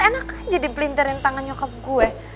enak aja dipelintirin tangan nyokap gue